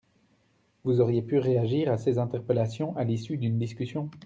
Vous auriez pu réagir à ces interpellations à l’issue d’une discussion.